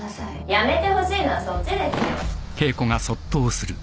・やめてほしいのはそっちですよ。